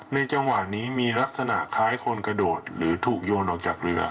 จังหวะนี้มีลักษณะคล้ายคนกระโดดหรือถูกโยนออกจากเรือ